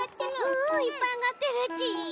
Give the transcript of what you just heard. うんいっぱいあがってるち。